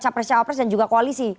capres capres dan juga koalisi